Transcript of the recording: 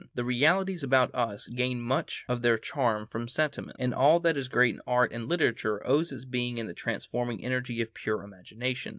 The realities about us gain much of their charm from sentiment, and all that is great in art and literature owes its being to the transforming energy of pure imagination.